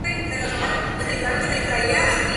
Este film influyó al director Quentin Tarantino.